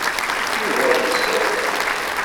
Yuba ad yesɛu lḥeqq.